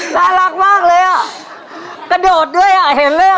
น่ารักมากเลยอ่ะกระโดดด้วยอ่ะเห็นเลยอ่ะ